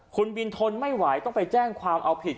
คุณบินทนไม่ไหวต้องไปแจ้งความเอาผิด